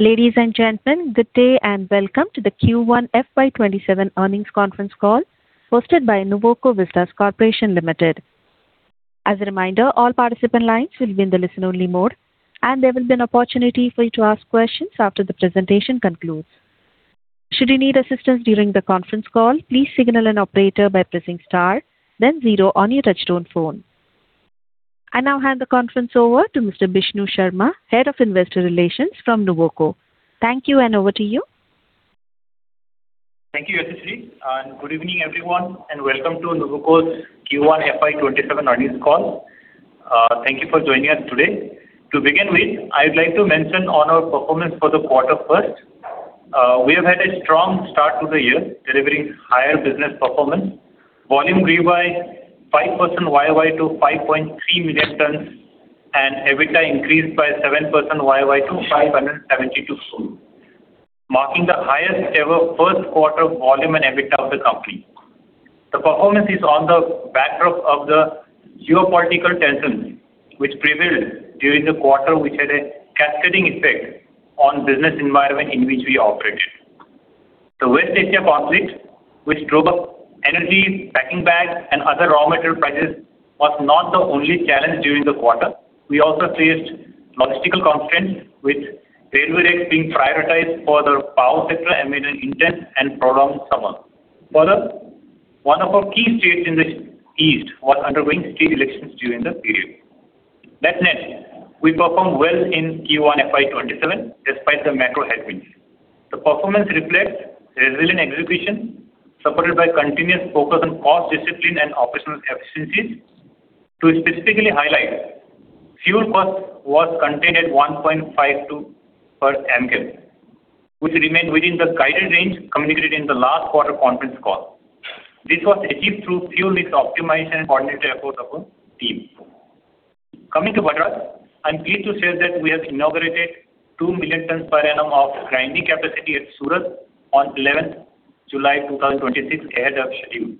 Ladies and gentlemen, good day, and welcome to the Q1 FY 2027 earnings conference call hosted by Nuvoco Vistas Corporation Limited. As a reminder, all participant lines will be in the listen-only mode, and there will be an opportunity for you to ask questions after the presentation concludes. Should you need assistance during the conference call, please signal an operator by pressing star then zero on your touchtone phone. I now hand the conference over to Mr. Bishnu Sharma, Head of Investor Relations from Nuvoco. Thank you, and over to you. Thank you, uncertain, and good evening, everyone, and welcome to Nuvoco's Q1 FY 2027 earnings call. Thank you for joining us today. To begin with, I would like to mention on our performance for the quarter first. We have had a strong start to the year, delivering higher business performance. Volume grew by 5% YoY to 5.3 million tonnes, and EBITDA increased by 7% YoY to 572 crore, marking the highest ever first quarter volume and EBITDA of the company. The performance is on the backdrop of the geopolitical tensions which prevailed during the quarter, which had a cascading effect on business environment in which we operate. The West Asia conflict, which drove up energy, packing bags, and other raw material prices, was not the only challenge during the quarter. We also faced logistical constraints, with railway rates being prioritized for the power sector amid an intense and prolonged summer. Further, one of our key states in the east was undergoing state elections during the period. That said, we performed well in Q1 FY 2027 despite the macro headwinds. The performance reflects resilient execution supported by continuous focus on cost discipline and operational efficiencies. To specifically highlight, fuel cost was contained at 1.52 per MMBtu, which remained within the guided range communicated in the last quarter conference call. This was achieved through fuel mix optimization and coordinated effort of our team. Coming to Gujarat, I'm pleased to say that we have inaugurated 2 million tonnes per annum of grinding capacity at Surat on 11th July 2026 ahead of schedule.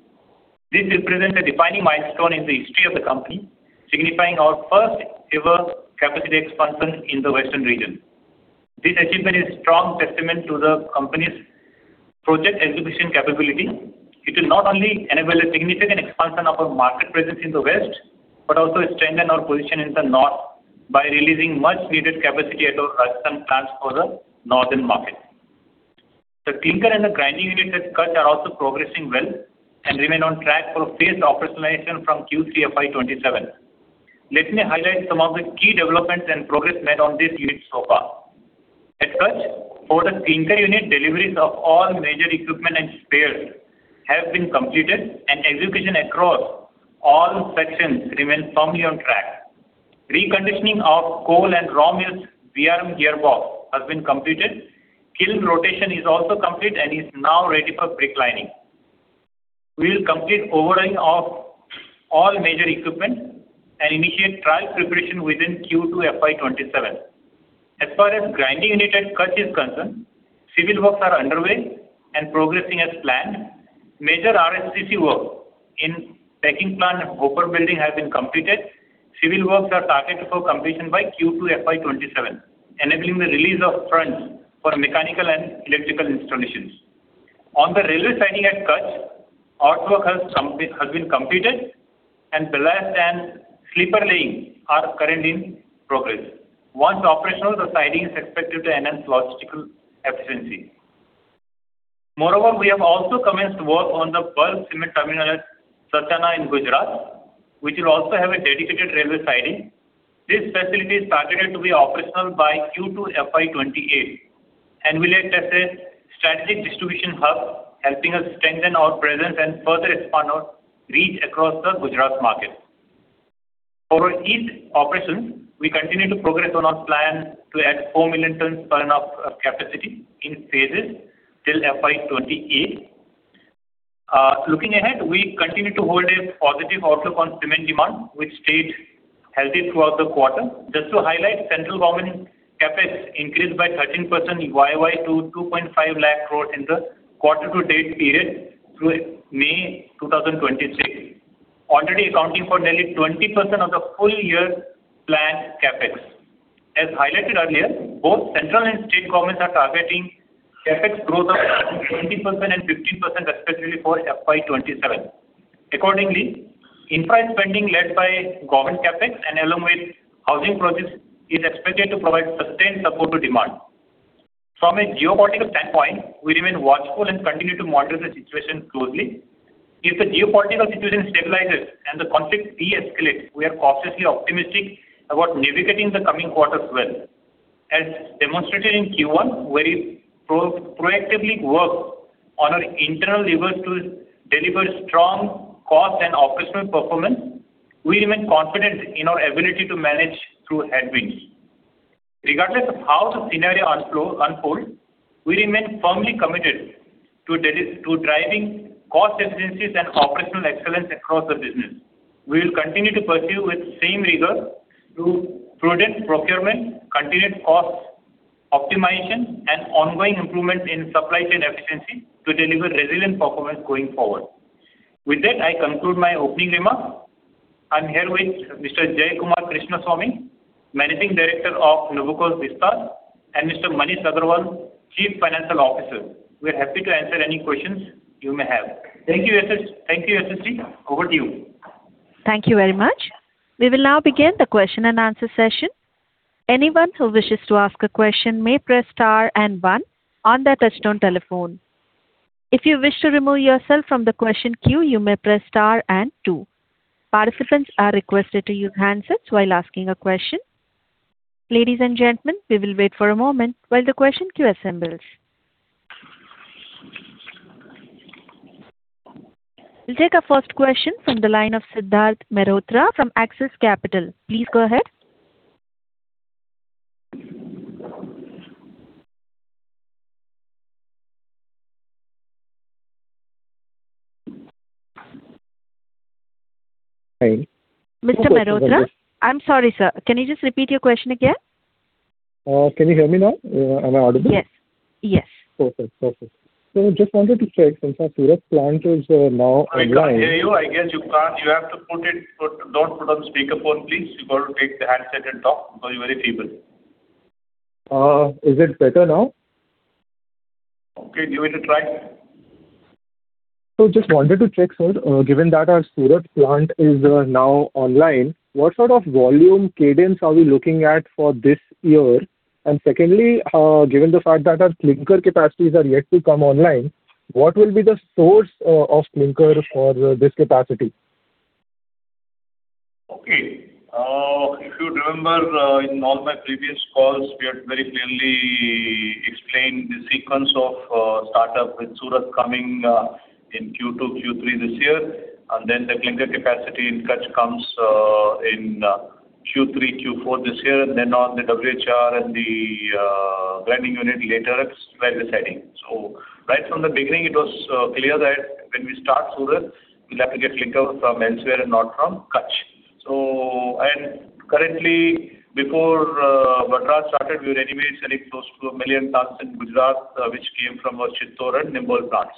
This represents a defining milestone in the history of the company, signifying our first ever capacity expansion in the western region. This achievement is strong testament to the company's project execution capability, which will not only enable a significant expansion of our market presence in the west but also strengthen our position in the north by releasing much-needed capacity at our western plants for the northern market. The clinker and the grinding unit at Kutch are also progressing well and remain on track for phased operational from Q3 FY 2027. Let me highlight some of the key developments and progress made on these units so far. At Kutch, for the clinker unit deliveries of all major equipment and spares have been completed, and execution across all sections remains firmly on track. Reconditioning of coal and raw mills VRM gearbox has been completed. Kiln rotation is also complete and is now ready for brick lining. We'll complete overlaying of all major equipment and initiate trial preparation within Q2 FY 2027. As far as grinding unit at Kutch is concerned, civil works are underway and progressing as planned. Major RCC work in packing plant hopper building has been completed. Civil works are targeted for completion by Q2 FY 2027, enabling the release of fronts for mechanical and electrical installations. On the railway siding at Kutch, earthwork has been completed, and ballast and sleeper laying are currently in progress. Once operational, the siding is expected to enhance logistical efficiency. Moreover, we have also commenced work on the bulk cement terminal at Sachana in Gujarat, which will also have a dedicated railway siding. This facility is targeted to be operational by Q2 FY 2028 and will act as a strategic distribution hub, helping us strengthen our presence and further expand our reach across the Gujarat market. For our east operations, we continue to progress on our plan to add 4 million tonnes per annum of capacity in phases till FY 2028. Looking ahead, we continue to hold a positive outlook on cement demand, which stayed healthy throughout the quarter. Just to highlight, central government CapEx increased by 13% YoY to 2.5 lakh crore in the quarter-to-date period through May 2026, already accounting for nearly 20% of the full year planned CapEx. As highlighted earlier, both central and state governments are targeting CapEx growth of around 20% and 15%, respectively, for FY 2027. Accordingly, infra spending led by government CapEx and along with housing projects is expected to provide sustained support to demand. From a geopolitical standpoint, we remain watchful and continue to monitor the situation closely. If the geopolitical situation stabilizes and the conflict deescalates, we are cautiously optimistic about navigating the coming quarters well. As demonstrated in Q1, where we proactively worked on our internal levers to deliver strong cost and operational performance, we remain confident in our ability to manage through headwinds. Regardless of how the scenario unfolds, we remain firmly committed to driving cost efficiencies and operational excellence across the business. We will continue to pursue with same rigor through prudent procurement, continued cost optimization, and ongoing improvement in supply chain efficiency to deliver resilient performance going forward. With that, I conclude my opening remarks. I'm here with Mr. Jayakumar Krishnaswamy, Managing Director of Nuvoco Vistas, and Mr. Maneesh Agrawal, Chief Financial Officer. We're happy to answer any questions you may have. Thank you, uncertain. Over to you. Thank you very much. We will now begin the question and answer session. Anyone who wishes to ask a question may press star one on their touchtone telephone. If you wish to remove yourself from the question queue, you may press star two. Participants are requested to use handsets while asking a question. Ladies and gentlemen, we will wait for a moment while the question queue assembles. We'll take our first question from the line of Siddharth Mehrotra from Axis Capital. Please go ahead. Hi. Mr. Mehrotra. I'm sorry, sir. Can you just repeat your question again? Can you hear me now? Am I audible? Yes. Perfect. Just wanted to check since our Surat plant is now online- I can't hear you. I guess don't put on speakerphone, please. You got to take the handset and talk because you're very feeble. Is it better now? Okay, give it a try. Just wanted to check, sir, given that our Surat plant is now online, what sort of volume cadence are we looking at for this year? Secondly, given the fact that our clinker capacities are yet to come online, what will be the source of clinker for this capacity? Okay. If you remember, in all my previous calls, we had very clearly explained the sequence of startup with Surat coming in Q2, Q3 this year, and then the clinker capacity in Kutch comes in Q3, Q4 this year, and then on the WHR and the grinding unit later as we are deciding. Right from the beginning, it was clear that when we start Surat, we will have to get clinker from elsewhere and not from Kutch. Currently, before Vadodara started, we were anyway selling close to 1 million tonnes in Gujarat, which came from our Chittorgarh and Nimbol plants.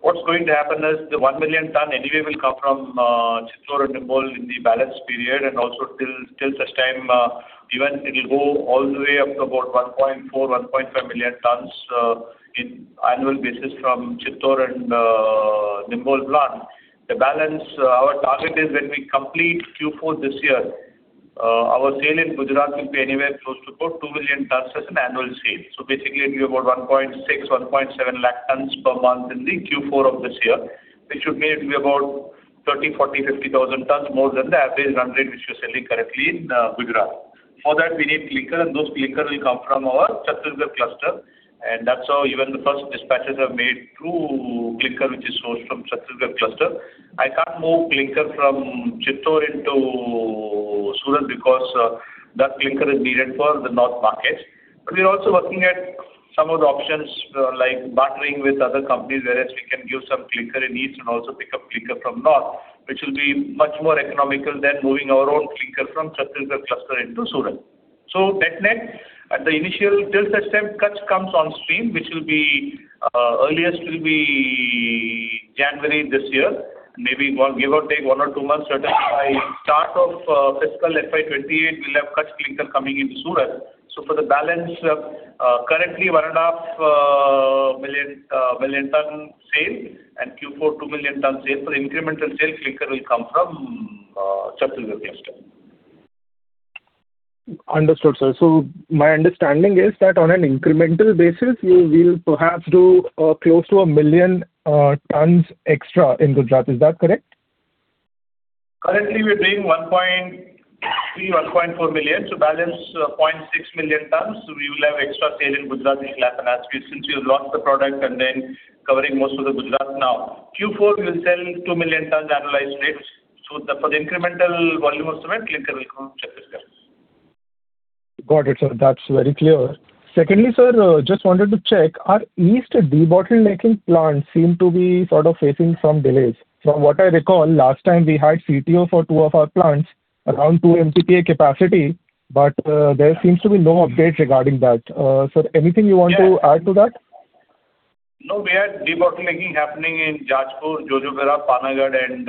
What's going to happen is the 1 million tonne anyway will come from Chittorgarh and Nimbol in the balance period, and also till such time, even it'll go all the way up to about 1.4 million tonnes, 1.5 million tonnes in annual basis from Chittorgarh and Nimbol plant. The balance, our target is when we complete Q4 this year, our sale in Gujarat will be anywhere close to about 2 million tonnes as an annual sale. Basically, it'll be about 1.6, 1.7 lakh tonnes per month in the Q4 of this year, which would mean it'll be about 30,000, 40,000, 50,000 tonnes more than the average run rate which we're selling currently in Gujarat. For that, we need clinker, those clinker will come from our Chhattisgarh cluster, that's how even the first dispatches are made through clinker, which is sourced from Chhattisgarh cluster. I can't move clinker from Chittorgarh into Surat because that clinker is needed for the north market. We are also looking at some other options, like bartering with other companies, whereas we can give some clinker in east and also pick up clinker from north, which will be much more economical than moving our own clinker from Chhattisgarh cluster into Surat. That net, at the initial till such time Kutch comes on stream, which earliest will be January this year, maybe give or take one or two months. By start of fiscal FY 2028, we'll have Kutch clinker coming into Surat. For the balance, currently 1.5 million tonne sale and Q4, 2 million tonne sale. For incremental sale, clinker will come from Chhattisgarh cluster. Understood, sir. My understanding is that on an incremental basis, we'll perhaps do close to 1 million tonnes extra in Gujarat. Is that correct? Currently, we're doing 1.3 million, 1.4 million. Balance, 0.6 million tonnes. We will have extra sale in Gujarat in the latter half year since we've launched the product and then covering most of Gujarat now. Q4, we'll sell 2 million tonnes annualized rates. For the incremental volume of cement, clinker will come from Chhattisgarh. Got it, sir. That's very clear. Secondly, sir, just wanted to check, our East debottlenecking plants seem to be sort of facing some delays. From what I recall, last time we had CTO for two of our plants around two MTPA capacity, but there seems to be no updates regarding that. Sir, anything you want to add to that? No, we had debottlenecking happening in Jajpur, Jojobera, Panagarh, and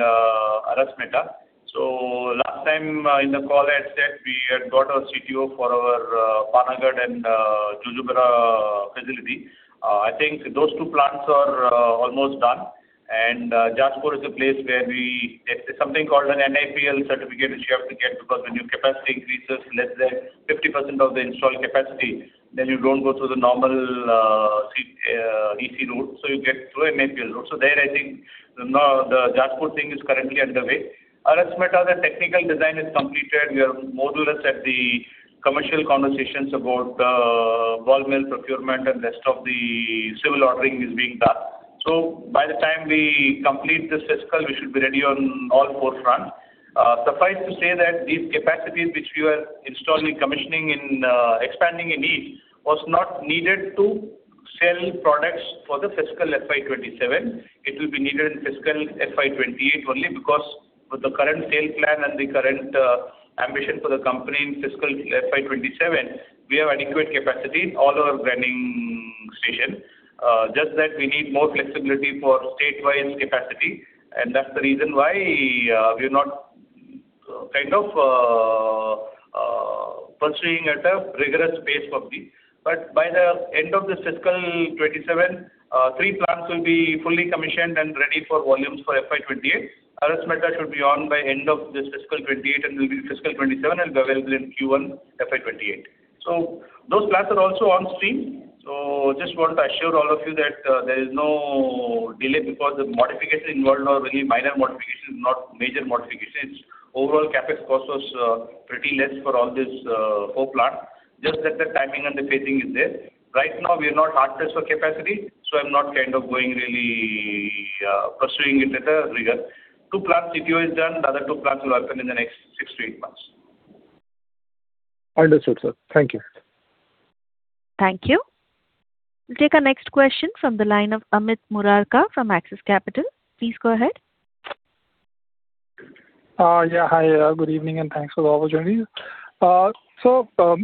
Arasmeta. Last time in the call, I had said we had got our CTO for our Panagarh and Jojobera facility. I think those two plants are almost done. Jajpur is a place where there's something called an NIPL certificate, which you have to get because when your capacity increases less than 50% of the installed capacity, then you don't go through the normal EC route, you get through NIPL route. There, I think, the Jajpur thing is currently underway. Arasmeta, the technical design is completed. We are more or less at the commercial conversations about the ball mill procurement and rest of the civil ordering is being done. By the time we complete this fiscal, we should be ready on all four fronts. Suffice to say that these capacities which we were installing, commissioning, and expanding in East was not needed to sell products for the fiscal FY 2027. It will be needed in fiscal FY 2028 only because with the current sale plan and the current ambition for the company in fiscal FY 2027, we have adequate capacity in all our grindingstation. We need more flexibility for statewide capacity, and that's the reason why we're not pursuing at a rigorous pace for B. By the end of this fiscal 2027, three plants will be fully commissioned and ready for volumes for FY 2028. Arasmeta should be on by end of this fiscal 2027 and will be available in Q1 FY 2028. Those plants are also on stream. Just want to assure all of you that there is no delay because of modifications involved or really minor modifications, not major modifications. Overall CapEx cost was pretty less for all these four plants. Just that the timing and the phasing is there. Right now, we are not hard pressed for capacity, so I'm not really pursuing it at a rigor. two plants' CTO is done. The other two plants will open in the next six to eight months. Understood, sir. Thank you. Thank you. We'll take our next question from the line of Amit Murarka from Axis Capital. Please go ahead. Hi. Good evening, thanks for the opportunity.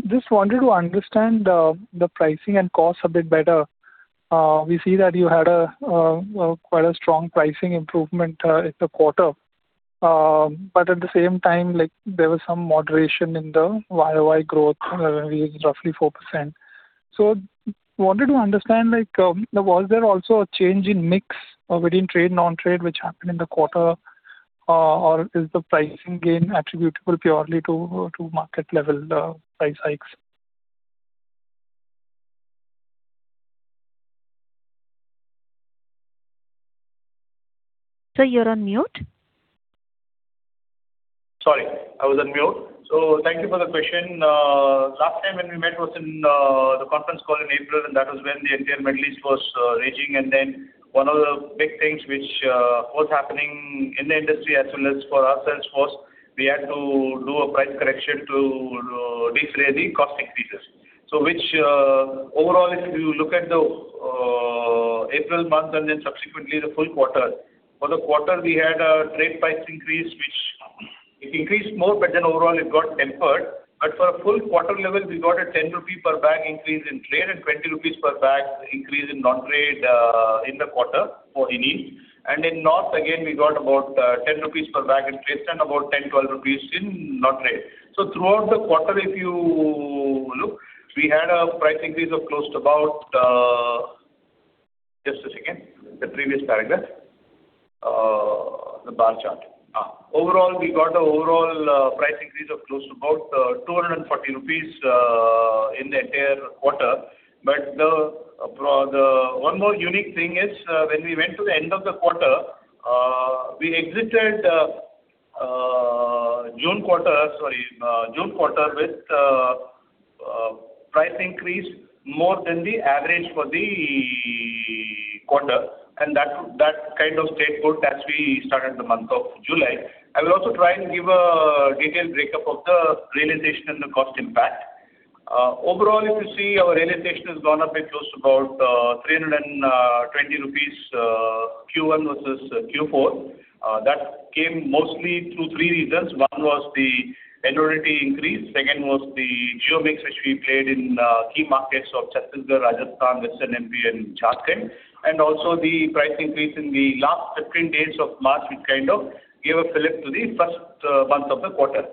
Just wanted to understand the pricing and costs a bit better. We see that you had quite a strong pricing improvement in the quarter. At the same time, there was some moderation in the YoY growth, roughly 4%. Wanted to understand, was there also a change in mix between trade and non-trade which happened in the quarter? Is the pricing gain attributable purely to market level price hikes? Sir, you're on mute. Sorry, I was on mute. Thank you for the question. Last time when we met was in the conference call in April. That was when the entire Middle East was raging. One of the big things which was happening in the industry as well as for ourselves was we had to do a price correction to defray the cost increases. Overall, if you look at the April month, subsequently the full quarter. For the quarter, we had a trade price increase, which it increased more, overall, it got tempered. For a full quarter level, we got an 10 rupee per bag increase in trade and 20 rupees per bag increase in non-trade in the quarter for Hindi. In north, again, we got about 10 rupees per bag in trades and about 10 rupees, 12 rupees in non-trade. Throughout the quarter, if you look, we had a price increase of close to about Just a second. The previous paragraph. The bar chart. Overall, we got overall price increase of close to about 240 rupees in the entire quarter. One more unique thing is when we went to the end of the quarter, we exited June quarter with price increase more than the average for the quarter. That kind of stayed put as we started the month of July. I will also try and give a detailed breakup of the realization and the cost impact. Overall, if you see, our realization has gone up by close to about 320 rupees Q1 versus Q4. That came mostly through three reasons. One was the NSR increase, second was the geo mix, which we played in key markets of Chhattisgarh, Rajasthan, Western MP, and Jharkhand. Also the price increase in the last 15 days of March, which kind of gave a fillip to the first month of the quarter.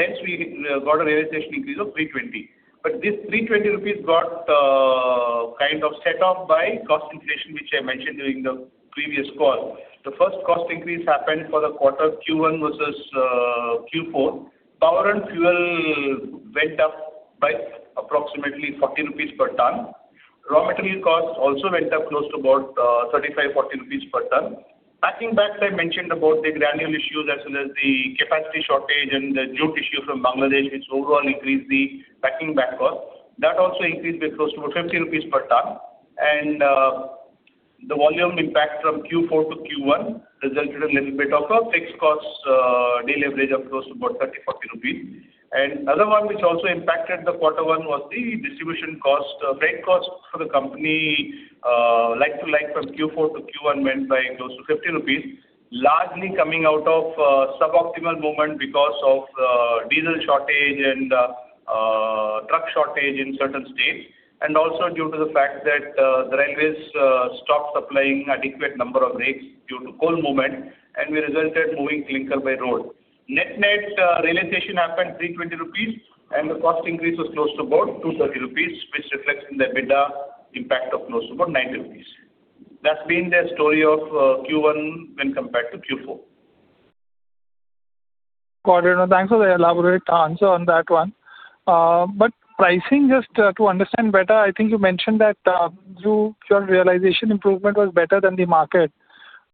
Hence, we got a realization increase of 320. This 320 rupees got kind of set off by cost inflation, which I mentioned during the previous call. The first cost increase happened for the quarter Q1 versus Q4. Power and fuel went up by approximately 40 rupees per tonne. Raw material costs also went up close to about 35 rupees, INR 40 per tonne. Packing bags, I mentioned about the granule issues as well as the capacity shortage and the jute issue from Bangladesh, which overall increased the packing bag cost. That also increased by close to 15 rupees per tonne. The volume impact from Q4 to Q1 resulted a little bit of a fixed cost de-leverage of close to about INR 30, 40. Other one which also impacted the Q1 was the distribution cost. Freight costs for the company like to like from Q4 to Q1 went by close to 15 rupees, largely coming out of suboptimal movement because of diesel shortage and truck shortage in certain states, and also due to the fact that the railways stopped supplying adequate number of rakes due to coal movement, and we resulted moving clinker by road. Net-net realization happened 320 rupees, and the cost increase was close to about 230 rupees, which reflects in the EBITDA impact of close to about 90 rupees. That's been the story of Q1 when compared to Q4. Got it. Thanks for the elaborate answer on that one. Pricing, just to understand better, I think you mentioned that your realization improvement was better than the market.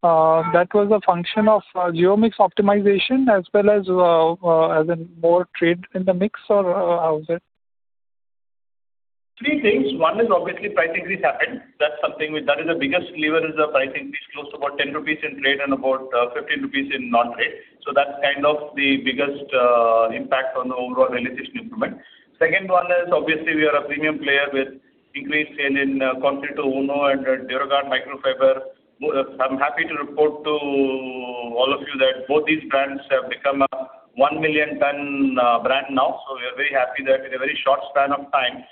That was a function of geo mix optimization as well as more trade in the mix or how is it? Three things. One is obviously price increase happened. That is the biggest lever is the price increase, close to about 10 rupees in trade and about 15 rupees in non-trade. That's kind of the biggest impact on the overall realization improvement. Second one is obviously we are a premium player with increased sale in Concreto Uno and Duraguard Microfiber. I'm happy to report to all of you that both these brands have become a 1 million tonne brand now. We are very happy that in a very short span of time,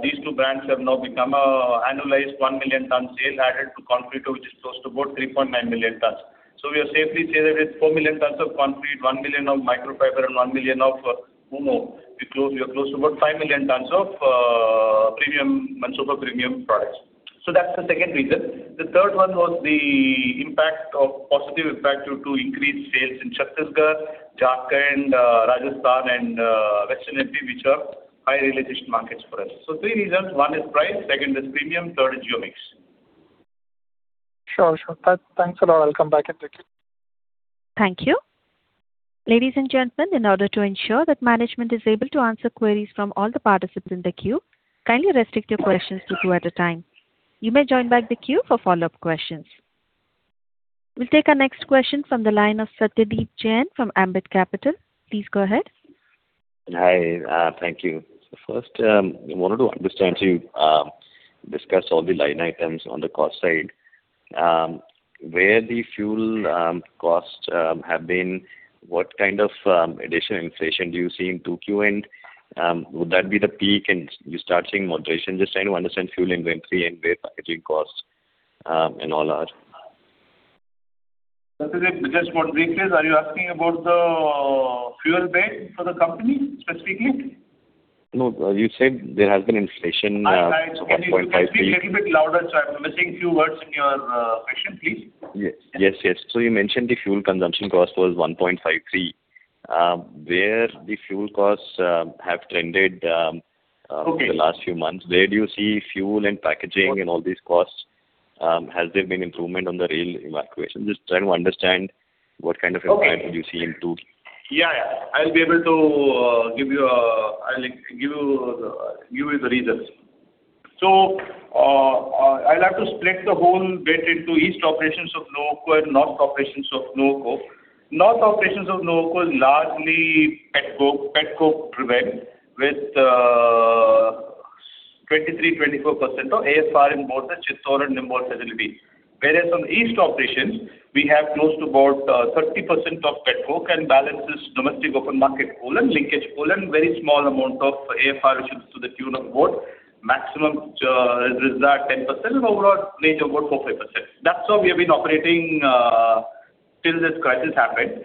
these two brands have now become annualized 1 million tonne sale added to Concreto, which is close to about 3.9 million tonnes. We are safely seated with 4 million tonnes of Concreto, 1 million of Microfiber, and 1 million of Mansova. We are close to about 5 million tonnes of Mansova premium products. That's the second reason. The third one was the positive impact due to increased sales in Chhattisgarh, Jharkhand, Rajasthan and Western M.P., which are high realization markets for us. Three reasons. One is price, second is premium, third is geo mix. Sure. Thanks a lot. I'll come back in the queue. Thank you. Ladies and gentlemen, in order to ensure that management is able to answer queries from all the participants in the queue, kindly restrict your questions to two at a time. You may join back the queue for follow-up questions. We'll take our next question from the line of Satyadeep Jain from Ambit Capital. Please go ahead. Hi. Thank you. First, I wanted to understand, so you discussed all the line items on the cost side. Where the fuel costs have been, what kind of additional inflation do you see in 2Q end? Would that be the peak and you start seeing moderation? Just trying to understand fuel inventory and where packaging costs and all are. Satyadeep, just for clarification, are you asking about the fuel bet for the company specifically? No. You said there has been inflation. Right. Can you please speak little bit louder? I'm missing few words in your question, please. Yes. You mentioned the fuel consumption cost was 1.53 per million kcal. Where the fuel costs have trended- Okay Over the last few months. Where do you see fuel and packaging and all these costs? Has there been improvement on the rail evacuation? Just trying to understand what kind of. Okay improvement you see in two. Yeah. I will give you the reasons. I will have to split the whole bet into east operations of Nuvoco and north operations of Nuvoco. North operations of Nuvoco is largely pet coke driven with 23%-24% of AFR in both the Chittor and Nimbol facility. Whereas on east operations, we have close to about 30% of pet coke and balance is domestic open market coal and linkage coal and very small amount of AFR issues to the tune of about maximum Risda 10% and overall range of about 4%-5%. That's how we have been operating till this crisis happened.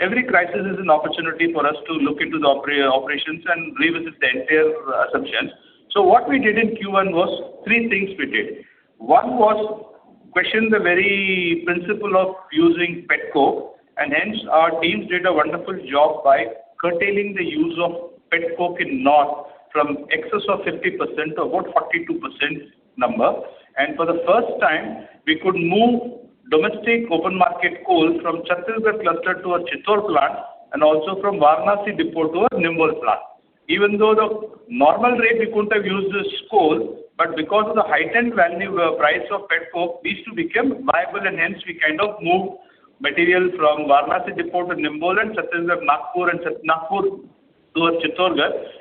Every crisis is an opportunity for us to look into the operations and revisit the entire assumptions. What we did in Q1 was three things we did. One was question the very principle of using pet coke, hence our teams did a wonderful job by curtailing the use of pet coke in north from excess of 50% to about 42% number. For the first time, we could move domestic open market coal from Chhattisgarh cluster to our Chittor plant and also from Varanasi depot to our Nimbol plant. Even though the normal rate we couldn't have used this coal, because of the heightened value price of pet coke, these two became viable hence we kind of moved material from Varanasi depot to Nimbol and Chhattisgarh, Nagpur to our Chittor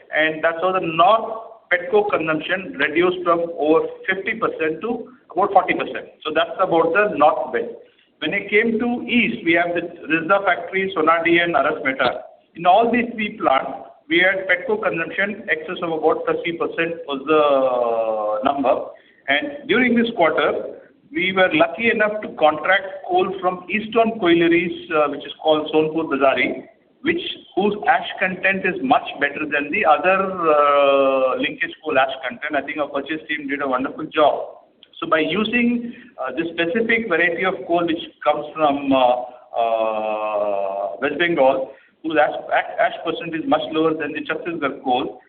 plant. That's how the north pet coke consumption reduced from over 50% to about 40%. That's about the north bet. When it came to east, we have the Risda factory, Sonadih and Arasmeta. In all these three plants, we had pet coke consumption excess of about 30% was the number. During this quarter we were lucky enough to contract coal from Eastern Coalfields, which is called Sonepur Bazari, whose ash content is much better than the other linkage coal ash content. I think our purchase team did a wonderful job. By using this specific variety of coal which comes from West Bengal, whose ash percentage is much lower than the Chhattisgarh coal.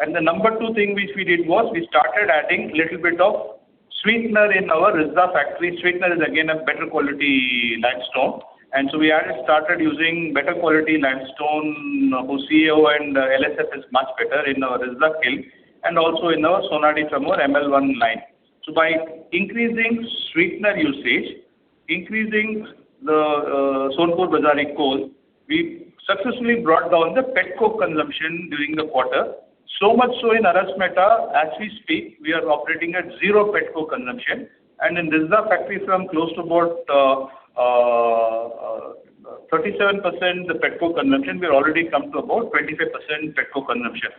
The number two thing which we did was we started adding little bit of sweetener in our Risda factory. Sweetener is again a better quality limestone. So we started using better quality limestone, whose CO₂ and LSF is much better in our Risda kiln and also in our Sonadih cement ML1 line. By increasing sweetener usage, increasing the Sonepur Bazari coal, we successfully brought down the pet coke consumption during the quarter. Much so in Arasmeta, as we speak, we are operating at zero pet coke consumption and in Risda factory from close to about 37% pet coke consumption, we've already come to about 25% pet coke consumption.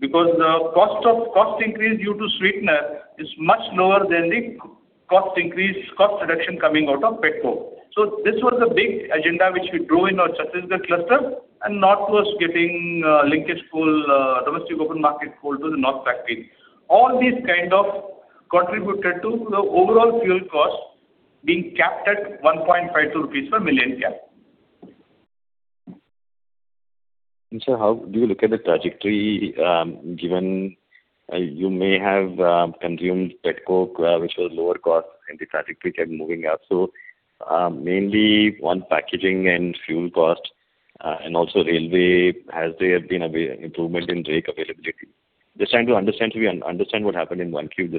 The cost increase due to sweetener is much lower than the cost reduction coming out of pet coke. This was a big agenda which we drew in our Chhattisgarh cluster and north was getting linkage coal, domestic open market coal to the north factory. All these contributed to the overall fuel cost being capped at 1.52 rupees per million kcal. Sir, how do you look at the trajectory, given you may have consumed pet coke which was lower cost and the trajectory kept moving up? Mainly on packaging and fuel cost and also railway, has there been improvement in rake availability? Just trying to understand what happened in 1Q,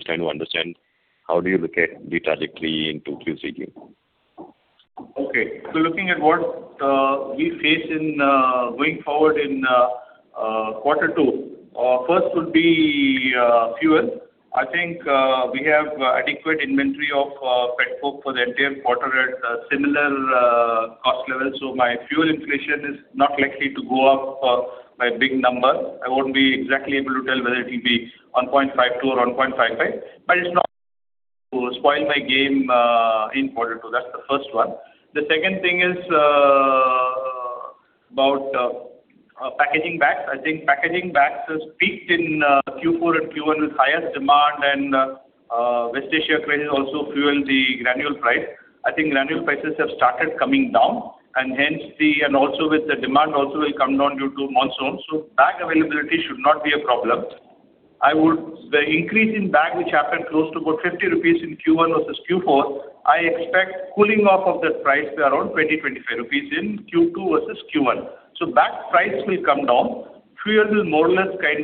how do you look at the trajectory in 2Q, 3Q? Okay. Looking at what we face going forward in Q2. First would be fuel. I think we have adequate inventory of pet coke for the entire quarter at similar cost levels. My fuel inflation is not likely to go up by big numbers. I won't be exactly able to tell whether it'll be 1.52 per million kcal or 1.55 per million kcal, but it's not to spoil my game in Q2. That's the first one. The second thing is about packaging bags. I think packaging bags has peaked in Q4 and Q1 with highest demand and West Asia credits also fuel the granule price. I think granule prices have started coming down and also with the demand also will come down due to monsoon. Bag availability should not be a problem. The increase in bag which happened close to about 50 rupees in Q1 versus Q4, I expect cooling off of that price to around 20 rupees, INR 25 in Q2 versus Q1. Bag price will come down. Fuel will more or less get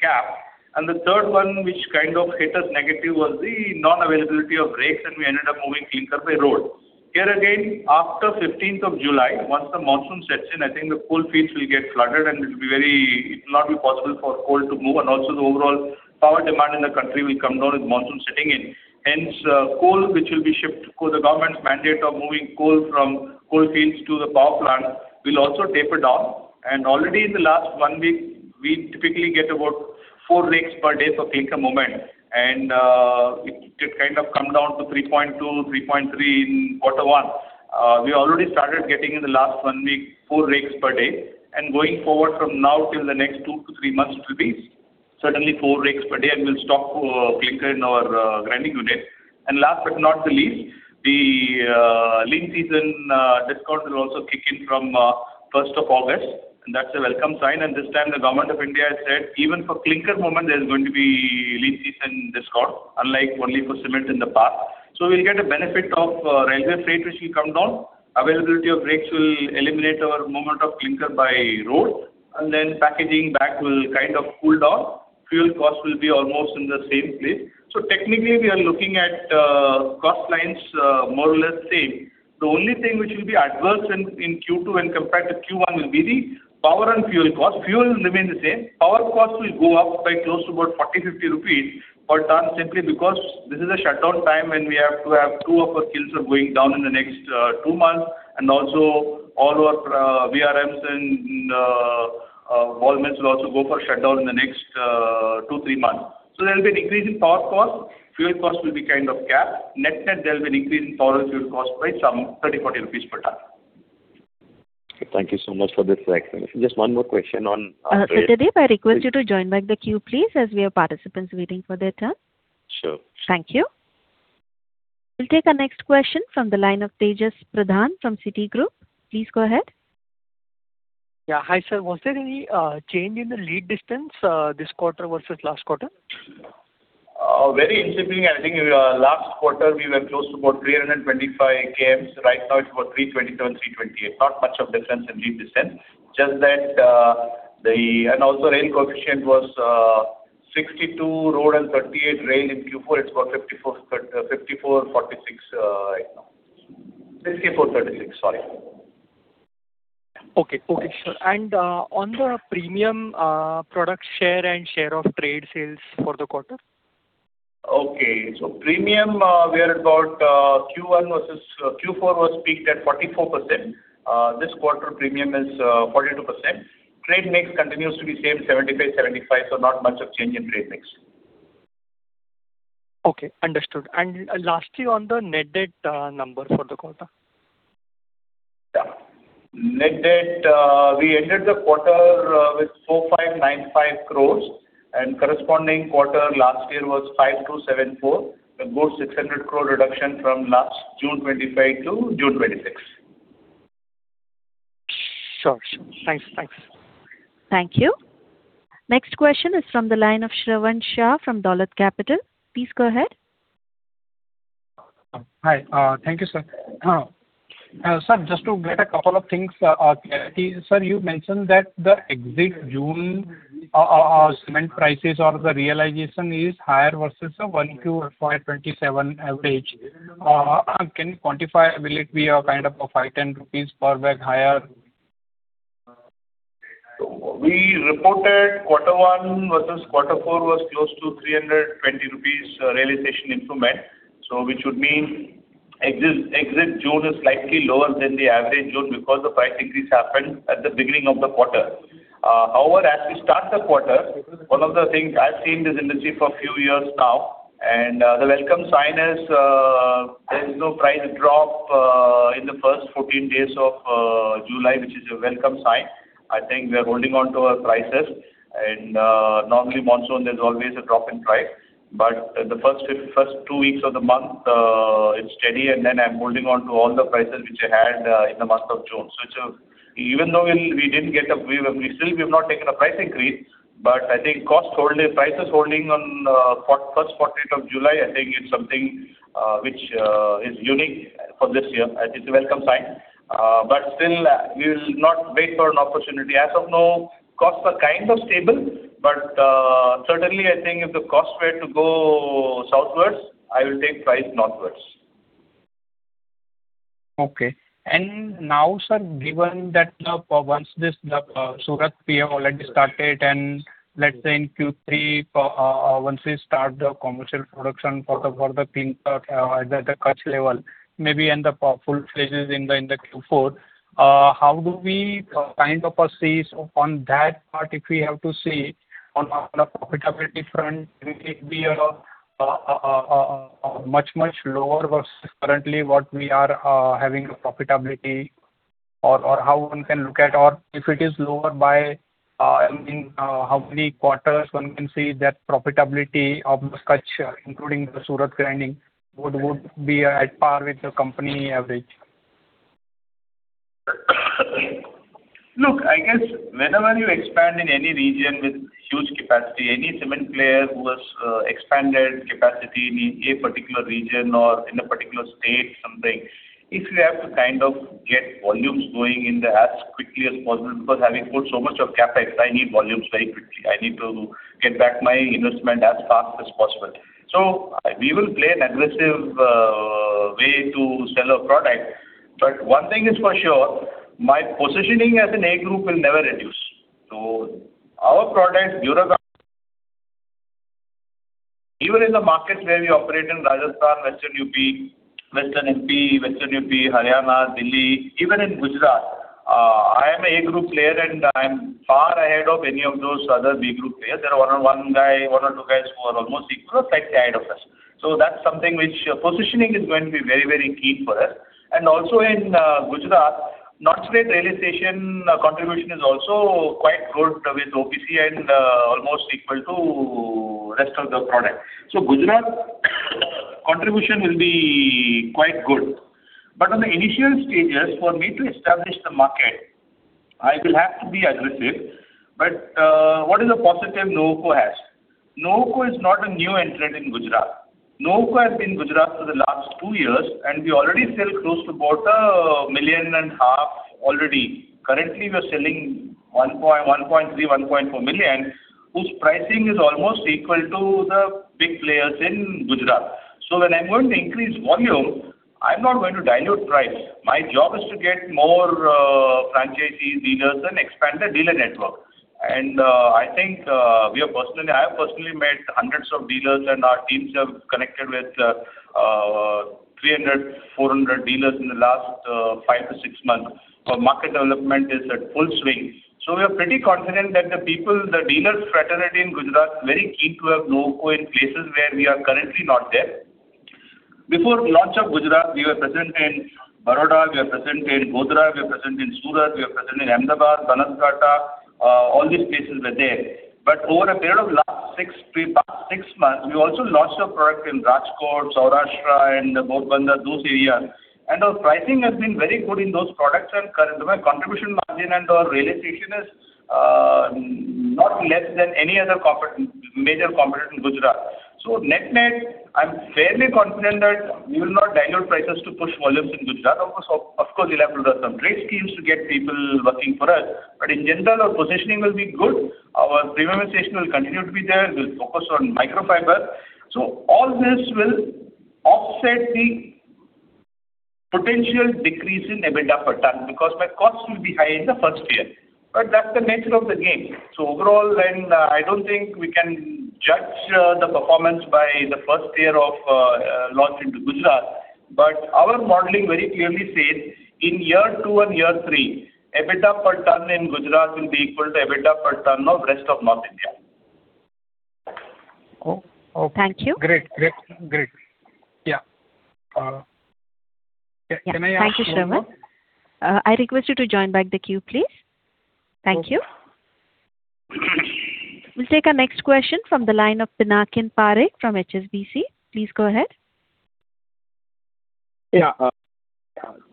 capped. The third one, which hit us negative, was the non-availability of rakes and we ended up moving clinker by road. Again, after 15th of July, once the monsoon sets in, I think the coal fields will get flooded and it'll not be possible for coal to move and also the overall power demand in the country will come down with monsoon setting in. Coal, the government's mandate of moving coal from coal fields to the power plant will also taper down. Already in the last one week, we typically get about four rakes per day for clinker movement, it kind of come down to 3.2, 3.3 in Q1. We already started getting in the last one week, four rakes per day. Going forward from now till the next two to three months, it will be certainly four rakes per day and we'll stock clinker in our grinding unit. Last but not the least, the lean season discount will also kick in from 1st of August, that's a welcome sign. This time the government of India has said even for clinker movement, there's going to be lean season discount, unlike only for cement in the past. We'll get a benefit of railway freight, which will come down. Availability of rakes will eliminate our movement of clinker by road, packaging back will kind of cool down. Fuel cost will be almost in the same place. Technically, we are looking at cost lines more or less same. The only thing which will be adverse in Q2 when compared to Q1 will be the power and fuel cost. Fuel will remain the same. Power cost will go up by close to about 40 rupees, INR 50 per tonne simply because this is a shutdown time when we have to have two of our kilns are going down in the next two months. Also all our VRMs and ball mills will also go for shutdown in the next two, three months. There'll be a decrease in power cost. Fuel cost will be kind of capped. Net, there'll be an increase in power and fuel cost by some 30 rupees, 40 rupees per tonne. Thank you so much for this explanation. Just one more question on- Satyadeep, I request you to join back the queue, please, as we have participants waiting for their turn. Sure. Thank you. We'll take our next question from the line of Tejas Pradhan from Citigroup. Please go ahead. Yeah. Hi, sir. Was there any change in the lead distance this quarter versus last quarter? Very interestingly, I think last quarter we were close to about 325 kms. Right now, it's about 327km, 328km. Not much of difference in lead distance. Also rail coefficient was 62% road and 38% rail. In Q4, it's about 54%, 36% right now. 54%, 46%, sorry. Okay. Sure. On the premium product share and share of trade sales for the quarter? Okay. Premium, we are about Q1 versus Q4 was peaked at 44%. This quarter premium is 42%. Trade mix continues to be same, 75/75, not much of change in trade mix. Okay. Understood. Lastly, on the net debt number for the quarter. Yeah. Net debt, we ended the quarter with 4,595 crores and corresponding quarter last year was 5,274 crores. A good 600 crore reduction from last June 2025 to June 2026. Sure. Thanks. Thank you. Next question is from the line of Shravan Shah from Dolat Capital. Please go ahead. Hi. Thank you, sir. Sir, just to get a couple of things clarity. Sir, you mentioned that the exit June cement prices or the realization is higher versus a 1Q or 5.27 average. Can you quantify, will it be a kind of a 5 rupees, 10 rupees per bag higher? We reported 1Q versus 4Q was close to 320 rupees realization improvement. Which would mean exit June is slightly lower than the average June because the price increase happened at the beginning of the quarter. However, as we start the quarter, one of the things I've seen this industry for a few years now, the welcome sign is there is no price drop in the first 14 days of July, which is a welcome sign. I think we are holding onto our prices. Normally monsoon, there's always a drop in price. The first two weeks of the month, it's steady and then I'm holding on to all the prices which I had in the month of June. Even though we still have not taken a price increase, I think prices holding on first fortnight of July, I think it is something which is unique for this year. It is a welcome sign. Still, we will not wait for an opportunity. As of now, costs are kind of stable, certainly I think if the costs were to go southwards, I will take price northwards. Okay. Now, sir, given that once Surat we have already started, let us say in Q3, once we start the commercial production for the Kutch level, maybe in the full phases in the Q4, how do we kind of assess on that part, if we have to see on a profitability front, it may be much, much lower versus currently what we are having a profitability or how one can look at, or if it is lower by, how many quarters one can see that profitability of Kutch, including the Surat grinding would be at par with the company average? Look, I guess whenever you expand in any region with huge capacity, any cement player who has expanded capacity in a particular region or in a particular state, something, if you have to kind of get volumes going in there as quickly as possible, because having put so much of CapEx, I need volumes very quickly. I need to get back my investment as fast as possible. We will play an aggressive way to sell our product. One thing is for sure, my positioning as an A group will never reduce. Our product, even in the markets where we operate in Rajasthan, Western U.P., Western M.P., Haryana, Delhi, even in Gujarat, I am an A group player, and I am far ahead of any of those other B group players. There are one or two guys who are almost equal, but they are ahead of us. That is something which positioning is going to be very, very key for us. Also in Gujarat, non-state realization contribution is also quite good with OPC and almost equal to rest of the product. Gujarat contribution will be quite good. On the initial stages, for me to establish the market, I will have to be aggressive. What is the positive Nuvoco has? Nuvoco is not a new entrant in Gujarat. Nuvoco has been in Gujarat for the last two years, and we already sell close to about 1.5 milion tonnes Already. Currently, we are selling 1.3 million tonnes, 1.4 million tonnes, whose pricing is almost equal to the big players in Gujarat. When I am going to increase volume, I am not going to dilute price. My job is to get more franchisees, dealers, and expand the dealer network. I think I have personally met hundreds of dealers, and our teams have connected with 300, 400 dealers in the last five to six months. Market development is at full swing. We are pretty confident that the people, the dealers' fraternity in Gujarat, are very keen to have Nuvoco in places where we are currently not there. Before launch of Gujarat, we were present in Baroda, we are present in Godhra, we are present in Surat, we are present in Ahmedabad, Banaskantha, all these places were there. Over a period of last six months, we also launched a product in Rajkot, Saurashtra, and Bhuj, Gandhidham, those areas. Our pricing has been very good in those products and current contribution margin and our realization is not less than any other major competitor in Gujarat. Net-net, I am fairly confident that we will not dilute prices to push volumes in Gujarat. Of course, we will have to run some trade schemes to get people working for us. In general, our positioning will be good. Our premiumization will continue to be there. We will focus on Duraguard Microfiber. All this will offset the potential decrease in EBITDA per ton, because my cost will be high in the first year. That is the nature of the game. Overall, I do not think we can judge the performance by the first year of launch into Gujarat. Our modeling very clearly says in year two and year three, EBITDA per tonne in Gujarat will be equal to EBITDA per ton of rest of North India. Okay. Thank you. Great. Yeah. Can I ask one more? Thank you, Shravan. I request you to join back the queue, please. Thank you. Okay. We'll take our next question from the line of Pinakin Parekh from HSBC. Please go ahead. Yeah.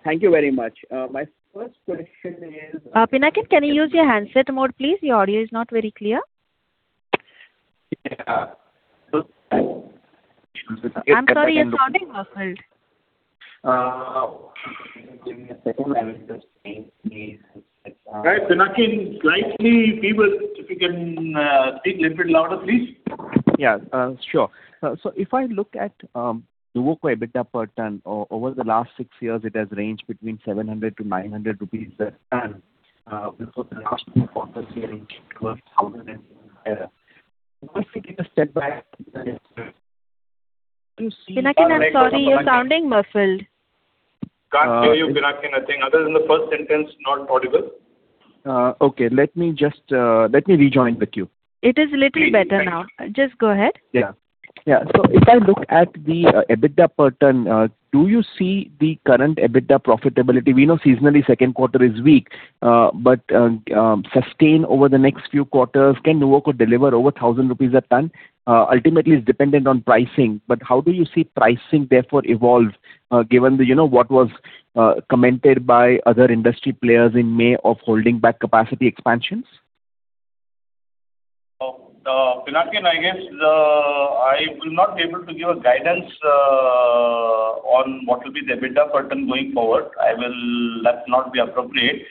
Thank you very much. My first question is. Pinakin, can you use your handset mode, please? Your audio is not very clear. Yeah. I'm sorry, you're sounding muffled. Give me a second. I will just change this. Right, Pinakin, slightly feeble. If you can speak a little bit louder, please. Yeah, sure. If I look at Nuvoco EBITDA per tonne, over the last six years, it has ranged between 700-900 rupees a ton, before the last two quarters ranging towards 1,000 and higher. Do you think the step by to see? Pinakin, I'm sorry, you're sounding muffled. Can't hear you, Pinakin. I think other than the first sentence, not audible. Okay. Let me rejoin the queue. It is a little better now. Just go ahead. Yeah. If I look at the EBITDA per tonne, do you see the current EBITDA profitability? We know seasonally second quarter is weak, but sustained over the next few quarters, can Nuvoco deliver over 1,000 rupees a tonne? Ultimately, it's dependent on pricing, but how do you see pricing therefore evolve, given what was commented by other industry players in May of holding back capacity expansions? Pinakin, I guess, I will not be able to give a guidance on what will be the EBITDA per tonne going forward. That's not appropriate.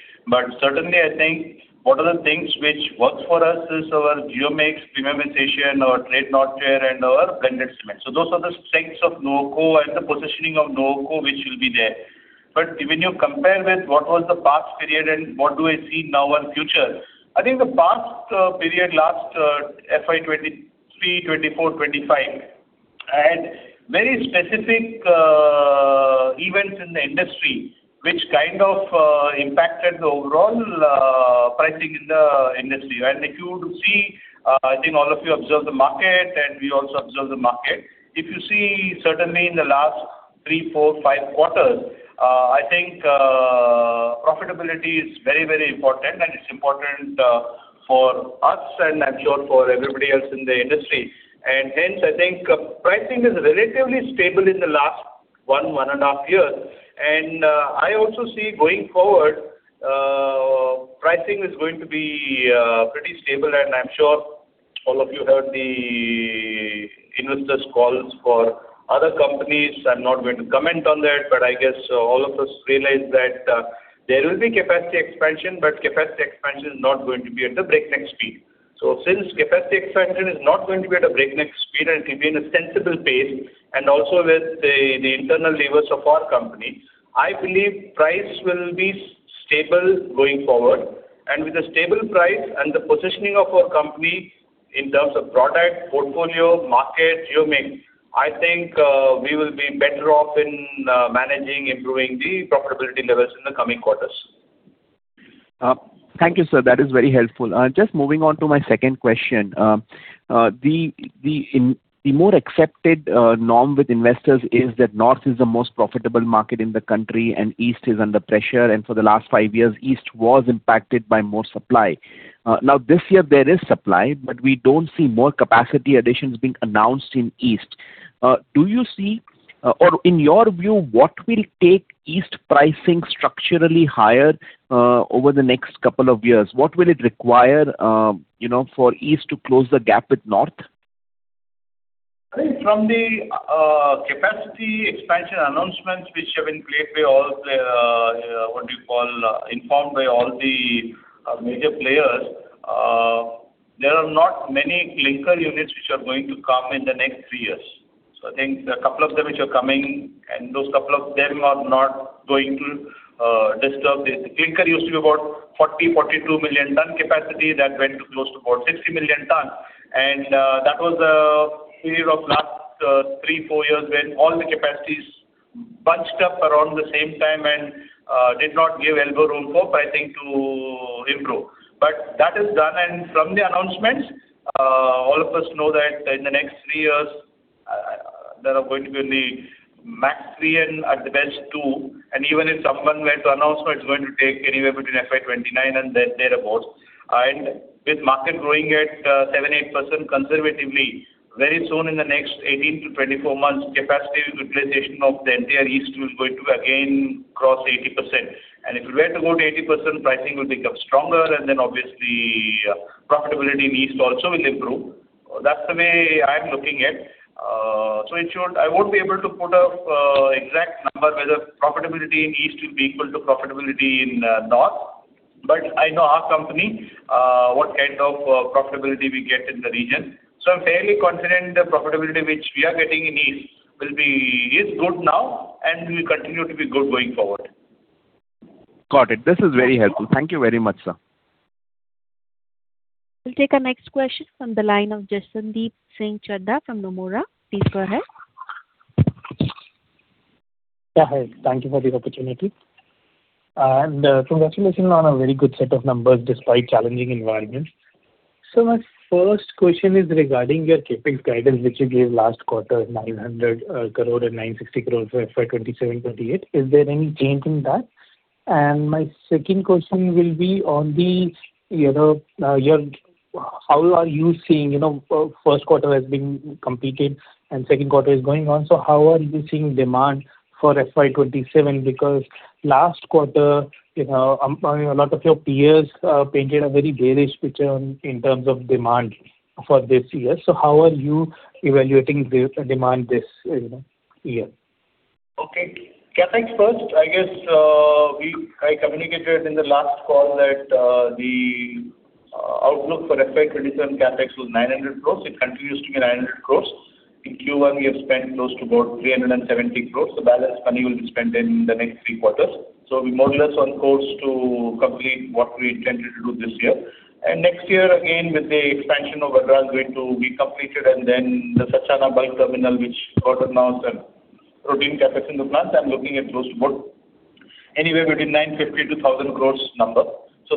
Certainly, I think one of the things which works for us is our geo mix premiumization, our trade not fair, and our blended cement. Those are the strengths of Nuvoco and the positioning of Nuvoco, which will be there. When you compare with what was the past period and what do I see now and future, I think the past period, last FY 2023, 2024, 2025, had very specific events in the industry which kind of impacted the overall pricing in the industry. If you would see, I think all of you observe the market, and we also observe the market. If you see certainly in the last three, four, five quarters, I think profitability is very important, and it's important for us, and I'm sure for everybody else in the industry. Hence, I think pricing is relatively stable in the last one and a half years. I also see going forward, pricing is going to be pretty stable, and I'm sure all of you heard the investors calls for other companies. I'm not going to comment on that, but I guess all of us realize that there will be capacity expansion, but capacity expansion is not going to be at the breakneck speed. Since capacity expansion is not going to be at a breakneck speed, and it will be in a sensible pace, and also with the internal levers of our company, I believe price will be stable going forward. With the stable price and the positioning of our company in terms of product, portfolio, market, geo mix, I think we will be better off in managing, improving the profitability levels in the coming quarters. Thank you, sir. That is very helpful. Just moving on to my second question. The more accepted norm with investors is that North is the most profitable market in the country, and East is under pressure, and for the last five years, East was impacted by more supply. This year there is supply, but we don't see more capacity additions being announced in East. In your view, what will take East pricing structurally higher over the next couple of years? What will it require for East to close the gap with North? I think from the capacity expansion announcements which have been informed by all the major players, there are not many clinker units which are going to come in the next three years. I think there are a couple of them which are coming, and those couple of them are not going to disturb this. The clinker used to be about 40 million tonnes, 42 million tonnes capacity that went to close to about 60 million tonnes. That was a period of last three, four years when all the capacities bunched up around the same time and did not give elbow room for pricing to improve. That is done, and from the announcements, all of us know that in the next three years, there are going to be only max three and at the best two. Even if someone were to announce, it's going to take anywhere between FY 2029 and then thereabout. With market growing at 7%, 8% conservatively, very soon, in the next 18-24 months, capacity utilization of the entire East is going to again cross 80%. If it were to go to 80%, pricing will become stronger, and obviously profitability in East also will improve. That's the way I'm looking at. I won't be able to put an exact number whether profitability in East will be equal to profitability in North. I know our company, what kind of profitability we get in the region. I'm fairly confident the profitability which we are getting in East is good now, and will continue to be good going forward. Got it. This is very helpful. Thank you very much, sir. We'll take our next question from the line of Jashandeep Singh Chadha from Nomura. Please go ahead. Hi. Thank you for the opportunity. Congratulations on a very good set of numbers despite challenging environment. My first question is regarding your CapEx guidance, which you gave last quarter, 900 crore and 960 crore for FY 2027, 2028. Is there any change in that? My second question will be on how are you seeing, first quarter has been completed and second quarter is going on, so how are you seeing demand for FY 2027? Because last quarter, a lot of your peers painted a very bearish picture in terms of demand for this year. How are you evaluating the demand this year? Okay. CapEx first, I guess, I communicated in the last call that the outlook for FY 2027 CapEx was 900 crore. It continues to be 900 crore. In Q1, we have spent close to about 370 crore. The balance money will be spent in the next three quarters. We're more or less on course to complete what we intended to do this year. Next year, again, with the expansion of [Grand great] to be completed, and then the Sachana bulk terminal, which got announced, and routine CapEx in the plants, I'm looking at close to about anywhere between 950 to 1,000 crore number.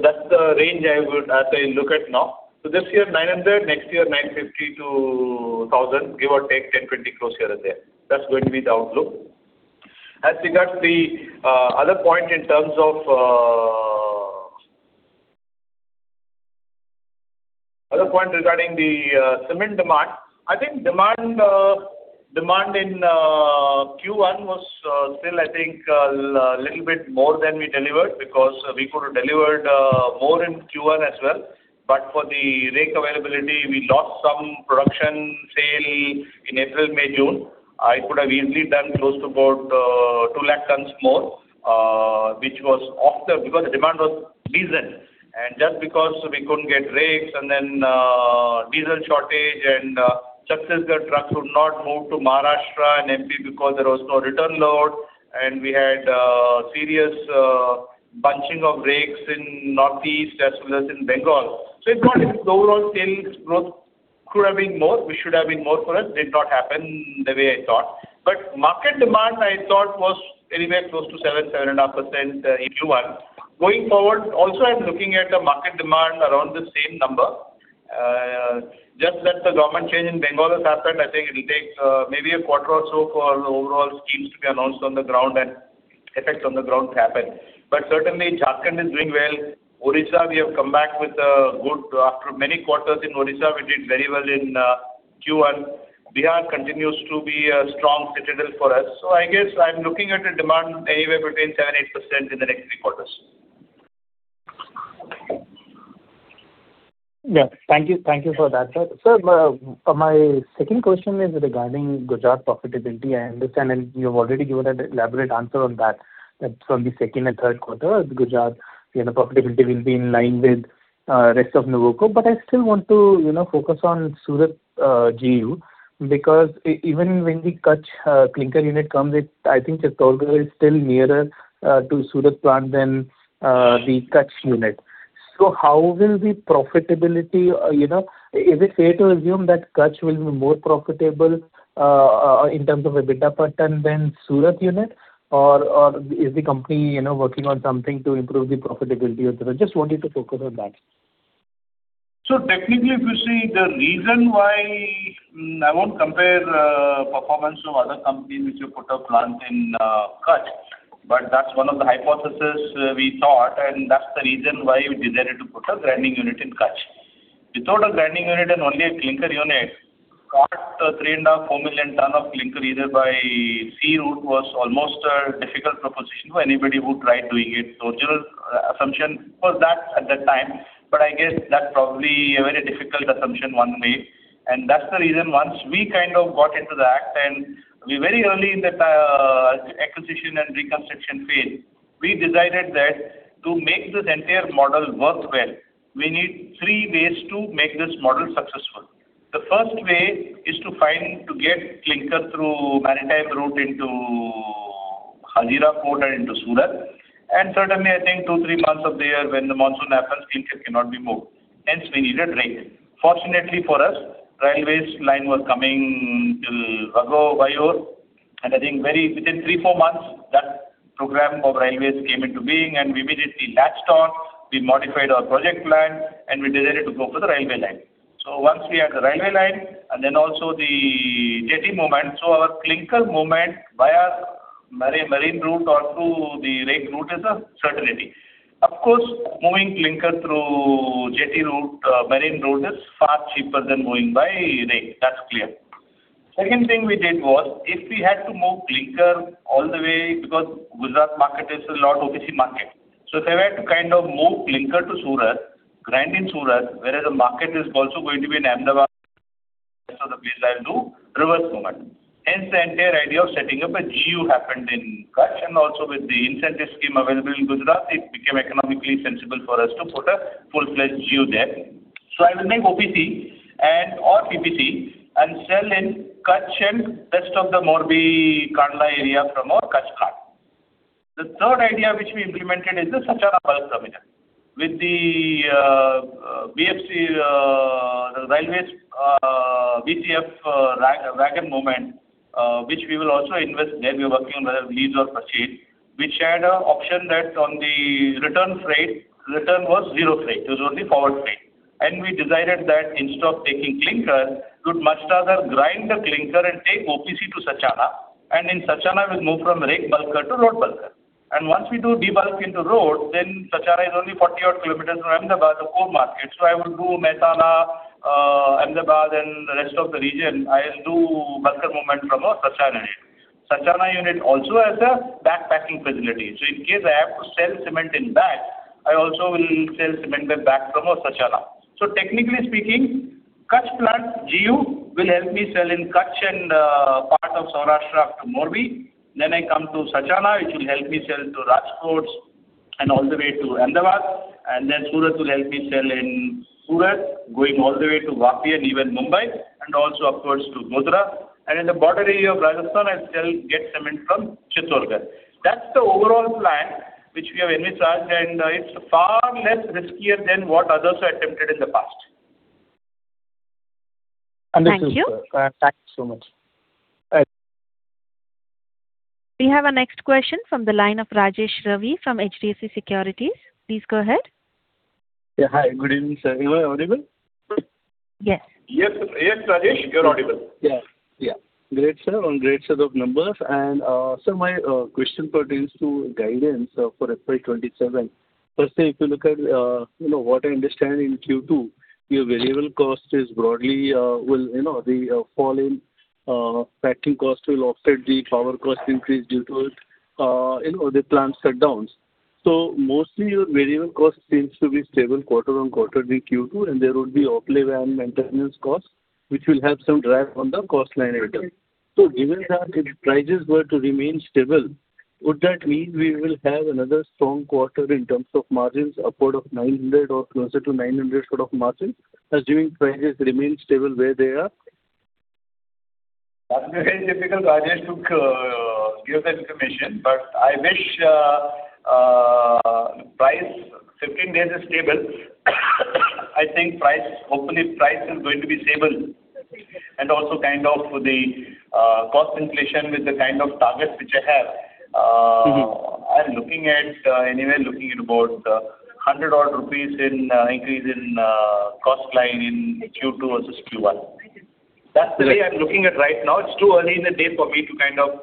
That's the range as I look at now. This year, 900, next year, 950 to 1,000, give or take 10, 20 crore here and there. That's going to be the outlook. As regards the other point regarding the cement demand. I think demand in Q1 was still a little bit more than we delivered because we could have delivered more in Q1 as well. For the rake availability, we lost some production sale in April, May, June. I could have easily done close to about 200,000 tonnes more because the demand was decent. Just because we couldn't get rakes and then diesel shortage and Chhattisgarh trucks would not move to Maharashtra and MP because there was no return load, and we had serious bunching of rakes in Northeast as well as in Bengal. It's not as if the overall sales growth could have been more, which should have been more for us, did not happen the way I thought. Market demand, I thought, was anywhere close to 7%, 7.5% in Q1. Going forward, also, I'm looking at the market demand around the same number. Certainly, Jharkhand is doing well. After many quarters in Odisha, we did very well in Q1. Bihar continues to be a strong citadel for us. I guess I'm looking at a demand anywhere between 7% and 8% in the next three quarters. Thank you for that, sir. Sir, my second question is regarding Gujarat profitability. I understand, and you have already given an elaborate answer on that from the second and third quarter, Gujarat profitability will be in line with rest of Nuvoco. I still want to focus on Surat GU, because even when the Kutch clinker unit comes, I think Chittorgarh is still nearer to Surat plant than the Kutch unit. How will the profitability Is it fair to assume that Kutch will be more profitable in terms of EBITDA pattern than Surat unit? Or is the company working on something to improve the profitability of Surat? Just want you to focus on that. Technically, if you see the reason why I won't compare performance to other companies which you put a plant in Kutch, that's one of the hypothesis we thought, and that's the reason why we decided to put a grinding unit in Kutch. Without a grinding unit and only a clinker unit, got 3.5, 4 million tonne of clinker either by sea route was almost a difficult proposition for anybody who tried doing it. Original assumption was that at that time, I guess that's probably a very difficult assumption one made, and that's the reason once we kind of got into the act and we very early in that acquisition and reconstruction phase, we decided that to make this entire model work well, we need three ways to make this model successful. The first way is to get clinker through maritime route into Hazira Port and into Surat. Certainly, I think two, three months of the year when the monsoon happens, clinker cannot be moved, hence we needed railway. Fortunately for us, railways line was coming till Waghai, and I think within three, four months, that program of railways came into being and we immediately latched on, we modified our project plan, and we decided to go for the railway line. Once we had the railway line and then also the jetty movement, our clinker movement via marine route or through the rake route is a certainty. Of course, moving clinker through jetty route, marine route is far cheaper than moving by rail. That's clear. Second thing we did was, if we had to move clinker all the way, because Gujarat market is a lot OPC market. If I had to move clinker to Surat, grind in Surat, whereas the market is also going to be in Ahmedabad, rest of the place, I'll do reverse movement. Hence the entire idea of setting up a GU happened in Kutch and also with the incentive scheme available in Gujarat, it became economically sensible for us to put a full-fledged GU there. I will make OPC and or PPC and sell in Kutch and rest of the Morbi Kandla area from our Kutch plant. The third idea which we implemented is the Sachana bulk terminal. With the BCFC-M, the railways BCF wagon movement, which we will also invest there, we are working on whether lease or proceed, which had an option that on the return freight, return was zero freight. It was only forward freight. We decided that instead of taking clinker, we would much rather grind the clinker and take OPC to Sachana, in Sachana, we'll move from rake bulker to road bulker. Once we do de-bulk into road, Sachana is only 40 odd kilometers from Ahmedabad, the core market. I would do Mehsana, Ahmedabad, and the rest of the region, I'll do bulker movement from our Sachana unit. Sachana unit also has a bag packing facility. In case I have to sell cement in bag, I also will sell cement in bag from our Sachana. Technically speaking, Kutch plant GU will help me sell in Kutch and part of Saurashtra up to Morbi. I come to Sachana, which will help me sell to Rajkots and all the way to Ahmedabad, Surat will help me sell in Surat, going all the way to Vapi and even Mumbai, and also upwards to Godhra. In the border area of Rajasthan, I still get cement from Chittorgarh. That's the overall plan which we have envisaged, and it's far less riskier than what others have attempted in the past. Thank you. Thanks so much. We have our next question from the line of Rajesh Ravi from HDFC Securities. Please go ahead. Yeah. Hi, good evening, sir. Am I audible? Yes. Yes, Rajesh, you're audible. Great, sir. On great set of numbers. Sir, my question pertains to guidance for FY 2027. Firstly, if you look at what I understand in Q2, The fall in packing cost will offset the power cost increase due to the plant shutdowns. Mostly your variable cost seems to be stable quarter-on-quarter in Q2, and there would be overlay and maintenance cost, which will have some drag on the cost line item. Given that if prices were to remain stable Would that mean we will have another strong quarter in terms of margins upward of 900 or closer to 900 sort of margins, assuming prices remain stable where they are? That's very difficult, Rajesh, to give that information. I wish price 15 days is stable. I think hopefully price is going to be stable, and also kind of the cost inflation with the kind of targets which I have. I'm looking at anyway about 100 odd INR in increase in cost line in Q2 versus Q1. That's the way I'm looking at right now. It's too early in the day for me to kind of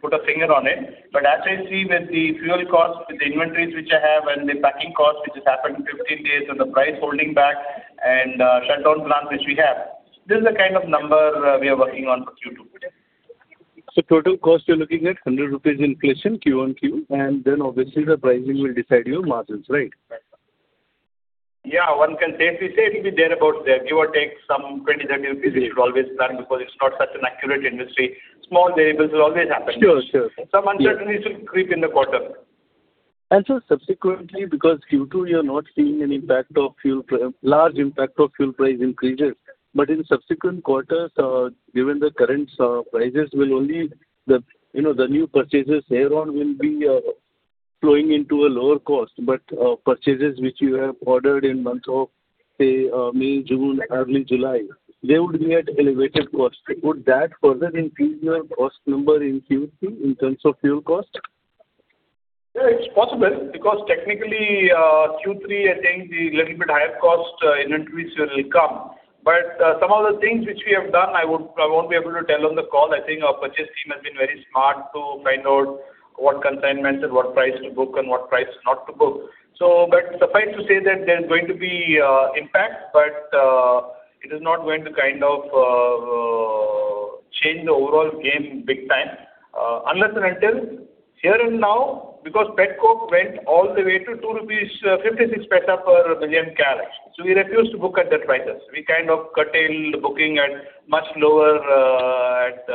put a finger on it. As I see with the fuel cost, with the inventories which I have and the packing cost, which has happened in 15 days, and the price holding back and shutdown plant which we have, this is the kind of number we are working on for Q2 today. Total cost you're looking at 100 rupees inflation quarter-on-quarter, obviously the pricing will decide your margins, right? Yeah. One can safely say it'll be there about there. Give or take some 20, 30 we should always plan because it's not such an accurate industry. Small variables will always happen. Sure. Some uncertainties will creep in the quarter. Subsequently, because Q2, you're not seeing any large impact of fuel price increases. In subsequent quarters, given the current prices The new purchases hereon will be flowing into a lower cost. Purchases which you have ordered in month of, say, May, June, early July, they would be at elevated cost. Would that further increase your cost number in Q3 in terms of fuel cost? Yeah, it's possible, because technically, Q3, I think the little bit higher cost inventories will come. Some of the things which we have done, I won't be able to tell on the call. I think our purchase team has been very smart to find out what consignments and what price to book and what price not to book. Suffice to say that there's going to be impact, but it is not going to kind of change the overall game big time. Unless and until here and now, because pet coke went all the way to 2.56 rupees per million calorific value. We refused to book at that prices. We kind of curtailed the booking at much lower at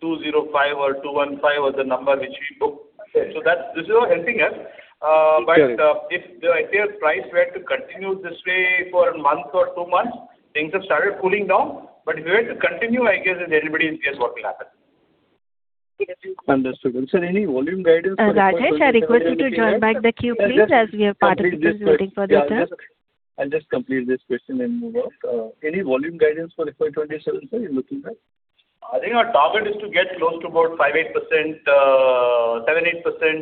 205 or 215 was the number which we booked. Okay. This is all helping us. Sure. If the[petcoke] price were to continue this way for a month or two months, things have started cooling down. If it were to continue, I guess then anybody can guess what will happen. Understood. Sir, any volume guidance for FY 2027? Rajesh, I request you to join back the queue, please, as we have participants waiting for their turn. I'll just complete this question and move on. Any volume guidance for FY 2027, sir, you're looking at? I think our target is to get close to about 7%, 8%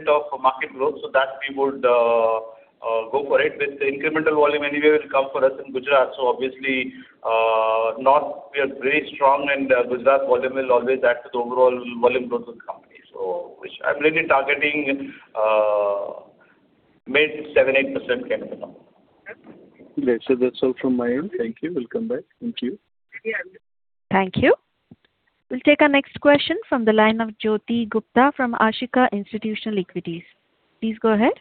of market growth, so that we would go for it. With the incremental volume anyway will come for us in Gujarat. Obviously, North we are very strong and Gujarat volume will always add to the overall volume growth of the company. Which I'm really targeting mid 7%, 8% kind of a number. Great. That's all from my end. Thank you. Will come back. Thank you. Thank you. We will take our next question from the line of Jyoti Gupta from Ashika Institutional Equities. Please go ahead.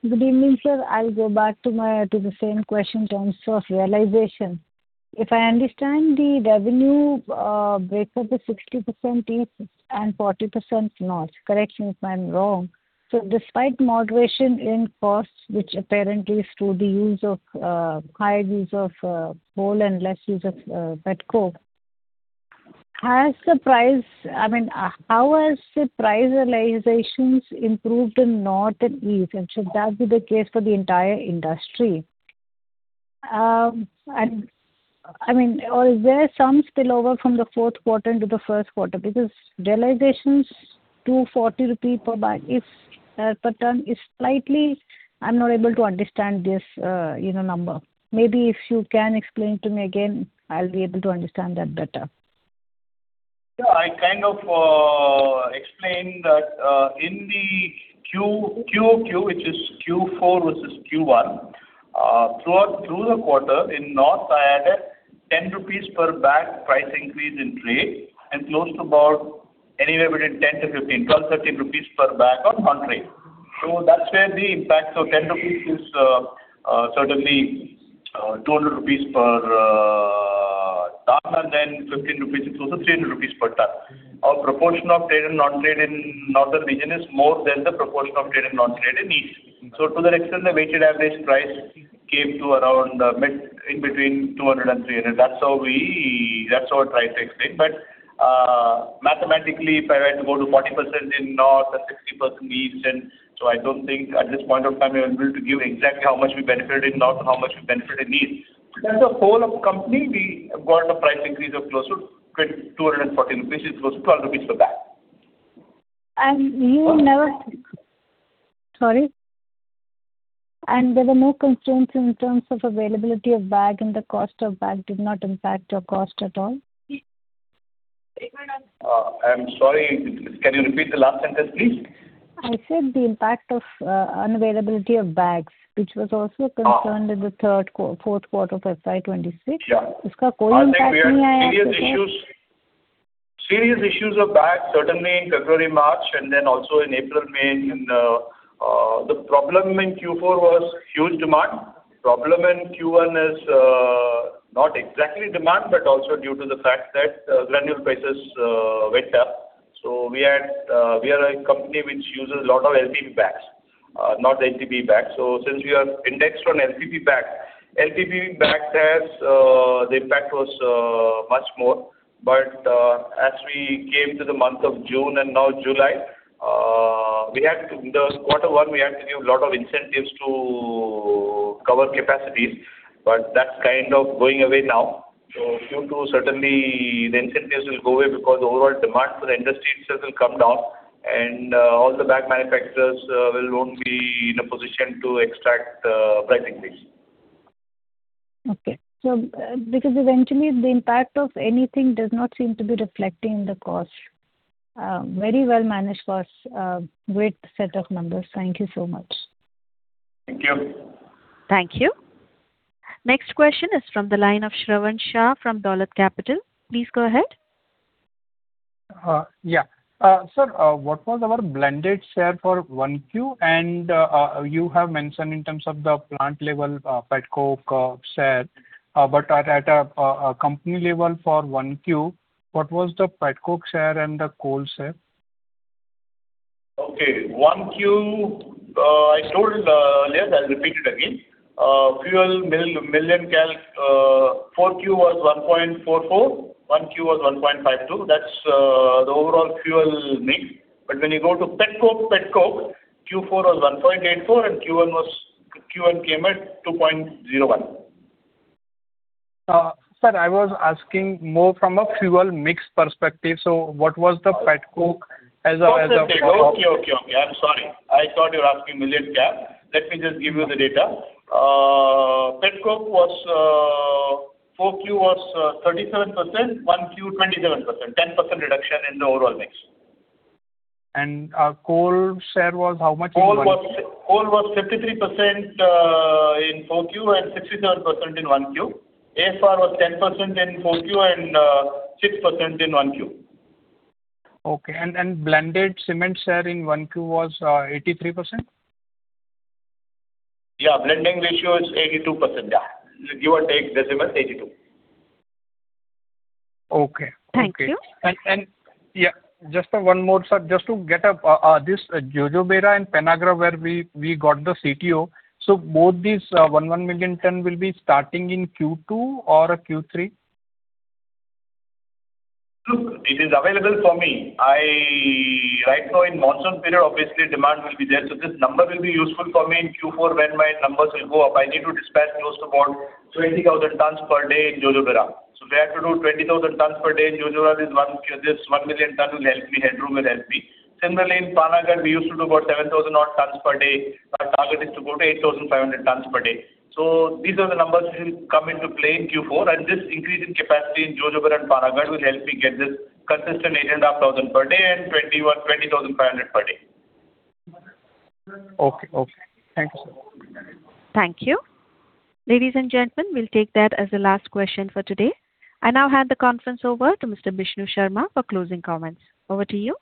Good evening, sir. I will go back to the same question in terms of realization. If I understand the revenue breakup is 60% east and 40% north. Correct me if I am wrong. Despite moderation in costs, which apparently is through the high use of coal and less use of pet coke, how has the price realizations improved in north and east, and should that be the case for the entire industry? Is there some spillover from the fourth quarter into the first quarter because realizations to INR 240 per tonne is slightly I am not able to understand this number. Maybe if you can explain to me again, I will be able to understand that better. I kind of explained that in the QoQ, which is Q4 versus Q1. Through the quarter in north, I added 10 rupees per bag price increase in trade and close to about anywhere between 10 to 15, 12, 13 rupees per bag on non-trade. That is where the impact of 10 rupees is certainly 200 rupees per tonne and then 15 rupees, it is also 300 rupees per tonne. Our proportion of trade and non-trade in northern region is more than the proportion of trade and non-trade in east. To that extent, the weighted average price came to around mid in between 200 and 300. That is how I try to explain. Mathematically, if I were to go to 40% in north and 60% in east, I do not think at this point of time, I am able to give exactly how much we benefited north and how much we benefited east. As a whole of company, we have got a price increase of close to 240 rupees, which is close to 12 rupees per bag. Sorry. There were no constraints in terms of availability of bag, and the cost of bag did not impact your cost at all. I'm sorry. Can you repeat the last sentence, please? I said the impact of unavailability of bags, which was also a concern in the fourth quarter of FY 2026. I think we had serious issues of bags certainly in February, March, and then also in April and May. The problem in Q4 was huge demand. Problem in Q1 is not exactly demand, but also due to the fact that granule prices went up. We are a company which uses a lot of LPP bags, not LPP bags. Since we are indexed on LPP bag, the impact was much more. As we came to the month of June and now July, the Q1, we had to give a lot of incentives to cover capacities, but that's kind of going away now. Due to certainly the incentives will go away because the overall demand for the industry itself will come down, and all the bag manufacturers won't be in a position to extract pricing fees. Okay. Because eventually the impact of anything does not seem to be reflecting the cost. Very well-managed costs. Great set of numbers. Thank you so much. Thank you. Thank you. Next question is from the line of Shravan Shah from Dolat Capital. Please go ahead. Yeah. Sir, what was our blended share for 1Q, and you have mentioned in terms of the plant level pet coke share, but at a company level for 1Q, what was the pet coke share and the coal share? Okay, 1Q, I told earlier, I'll repeat it again. Fuel million kcal, 4Q was 1.44, 1Q was 1.52. That's the overall fuel mix. When you go to pet coke, Q4 was 1.84 and Q1 came at 2.01. Sir, I was asking more from a fuel mix perspective. What was the pet coke as a whole? Okay. I'm sorry. I thought you were asking million kcal. Let me just give you the data. Pet coke, 4Q was 37%, 1Q, 27%, 10% reduction in the overall mix. Coal share was how much in 1Q? Coal was 53% in 4Q and 67% in 1Q. AFR was 10% in 4Q and 6% in 1Q. Okay. Blended cement share in 1Q was 83%? Yeah. Blending ratio is 82%. Give or take decimal, 82. Okay. Thank you. Just one more, sir. Just to get up this Jojobera and Panagarh where we got the CTO. Both these 1 million ton will be starting in Q2 or Q3? Look, it is available for me. Right now in monsoon period obviously demand will be there, this number will be useful for me in Q4 when my numbers will go up. I need to dispatch close to about 20,000 tonnes per day in Jojobera. If I have to do 20,000 tonnes per day in Jojobera, this 1 million tonne will help me, headroom will help me. Similarly, in Panagarh, we used to do about 7,000 odd tonnes per day. Our target is to go to 8,500 tonnes per day. These are the numbers which will come into play in Q4, and this increase in capacity in Jojobera and Panagarh will help me get this consistent 18,500 per day and 20,500 per day. Okay. Thanks. Thank you. Ladies and gentlemen, we'll take that as the last question for today. I now hand the conference over to Mr. Bishnu Sharma for closing comments. Over to you.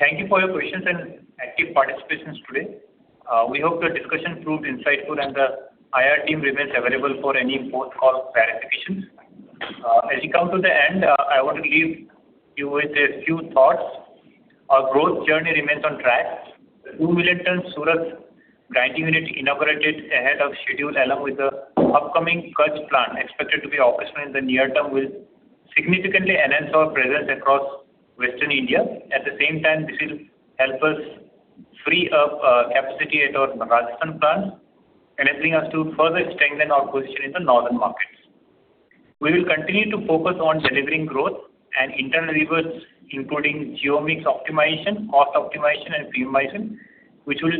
Thank you for your questions and active participations today. We hope the discussion proved insightful and the IR team remains available for any post-call clarifications. As we come to the end, I want to leave you with a few thoughts. Our growth journey remains on track. The 2 million tonne Surat grinding unit inaugurated ahead of schedule, along with the upcoming Kutch plant expected to be operational in the near term, will significantly enhance our presence across Western India. At the same time, this will help us free up capacity at our Rajasthan plant, enabling us to further strengthen our position in the northern markets. We will continue to focus on delivering growth and internal levers, including geo mix optimization, cost optimization, and premiumization, which will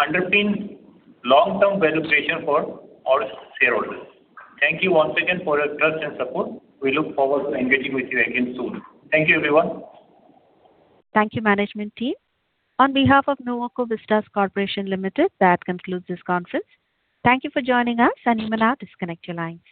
underpin long-term value creation for our shareholders. Thank you once again for your trust and support. We look forward to engaging with you again soon. Thank you, everyone. Thank you, management team. On behalf of Nuvoco Vistas Corporation Limited, that concludes this conference. Thank you for joining us, and you may now disconnect your lines.